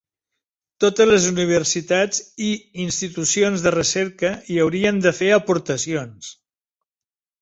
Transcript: Totes les universitats i institucions de recerca hi haurien de fer aportacions.